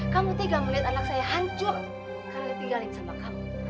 kamu tega melihat anak saya hancur karena ditinggalin sama kamu